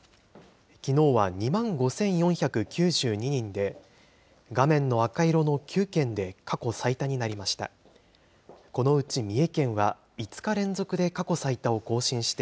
きのうは２万５４９２人で、画面の赤色の９県で過去最多になりました。